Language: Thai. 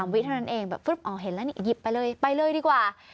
วิเท่านั้นเองแบบปุ๊บอ๋อเห็นแล้วนี่หยิบไปเลยไปเลยดีกว่า